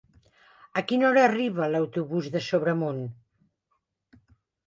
A quina hora arriba l'autobús de Sobremunt?